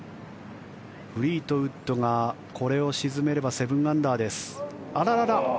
フリートウッドがこれを沈めれば７アンダー。